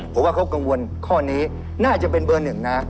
ผมว่าเขากังวลข้อนี้น่าจะเป็นเบอร์หนึ่งนะ